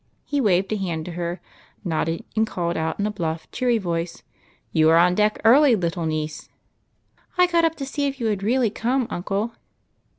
He waved his hand to her, nodded, and called out in a bluff, cheery voice, —" You are on deck early, little niece." " I got up to see if you had really come, uncle."